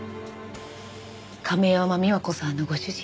亀山美和子さんのご主人。